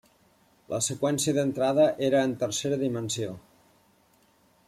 La seqüència d'entrada era en tercera dimensió.